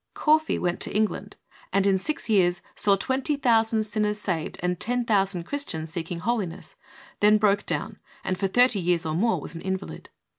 Caughey went to England, and in six years saw 20^000 sinners saved and 10,000 Christians seeking holiness, then broke down, and for thirty years or more was an invalid.